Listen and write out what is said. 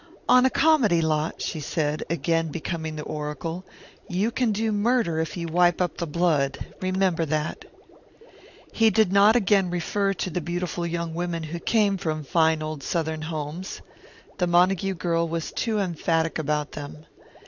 "On a comedy lot," she said, again becoming the oracle, "you can do murder if you wipe up the blood. Remember that." He did not again refer to the beautiful young women who came from fine old Southern homes. The Montague girl was too emphatic about them.